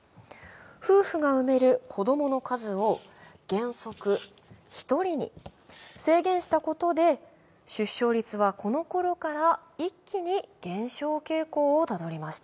夫婦が産める子供の数を原則１人に出生率は、このころから一気に減少傾向をたどりました。